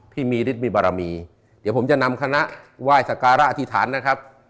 ที่มีฤทธิ์บารมีเดี๋ยวผมจะนำคณะไหว้สการะอธิษฐานนะครับ